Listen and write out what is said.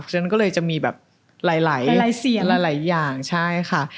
ฉะนั้นก็เลยจะมีแบบหลายอย่างใช่ค่ะ